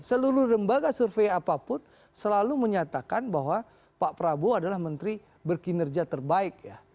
seluruh lembaga survei apapun selalu menyatakan bahwa pak prabowo adalah menteri berkinerja terbaik ya